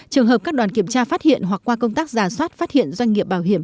trường hợp các đoàn kiểm tra phát hiện hoặc qua công tác giả soát phát hiện doanh nghiệp bảo hiểm